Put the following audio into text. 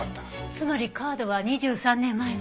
つまりカードは２３年前のもの。